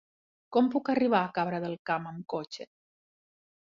Com puc arribar a Cabra del Camp amb cotxe?